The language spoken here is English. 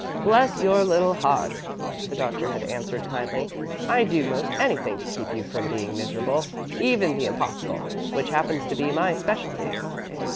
"Bless your little heart," the Doctor had answered, kindly; "I'd do 'most anything to keep you from being miserable, even the impossible, which happens to be my specialty."